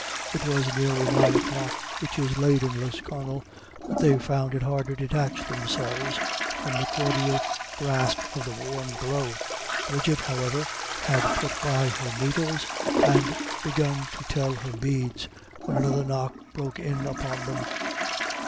It was nearly nine o'clock, which is late in Lisconnel, but they found it hard to detach themselves from the cordial grasp of the warm glow. Bridget, however, had put by her needles, and begun to tell her beads, when another knock broke in upon them.